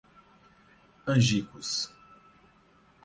Angicos